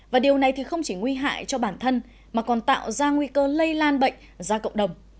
và điều này thì không chỉ nguy hại cho bản thân mà còn tạo ra nguy cơ lây lan bệnh ra cộng đồng